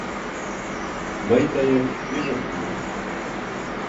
Мый тыйым ӱжын омыл.